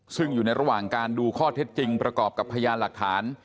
ซึ่งอยู่ในระหว่างการดูข้อเท็จจริงประกอบกับพยานหลักฐาน